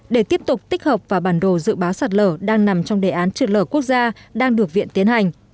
để tiếp tục tích hợp và bản đồ dự báo sạt lở đang nằm trong đề án trượt lở quốc gia đang được viện tiến hành